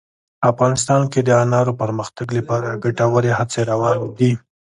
افغانستان کې د انارو د پرمختګ لپاره ګټورې هڅې روانې دي.